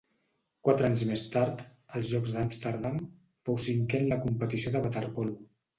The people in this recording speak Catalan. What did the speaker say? Quatre anys més tard, als Jocs d'Amsterdam, fou cinquè en la competició de waterpolo.